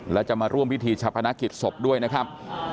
และจะมาร่วมพิธีชะพนักกิจศพด้วยนะครับ